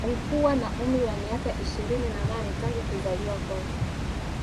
Alikuwa na umri wa miaka ishirini na nne tangu kuzaliwa kwake